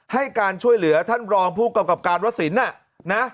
ให้การช่วยเหลือท่านรองผู้กำกับการวัดสินนะ